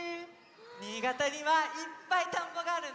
新潟にはいっぱいたんぼがあるんだよね。